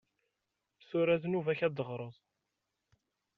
Tura d nnuba-k ad d-teɣreḍ.